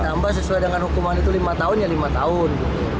nambah sesuai dengan hukuman itu lima tahun ya lima tahun